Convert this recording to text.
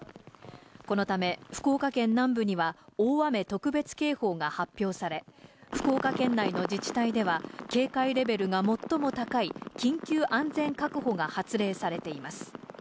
このため、福岡県南部には大雨特別警報が発表され、福岡県内の自治体では、警戒レベルが最も高い、緊急安全確保が発令されています。